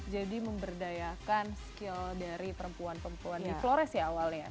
jadi memberdayakan skill dari perempuan perempuan di flores ya awalnya